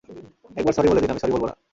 একবার স্যরি বলে দিন, - আমি স্যরি বলবো না।